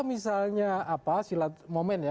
misalnya silat momen ya